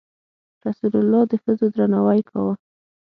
رسول الله د ښځو درناوی کاوه.